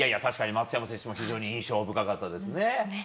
確かに松山選手も非常に印象深かったですね。